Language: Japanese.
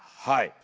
はい。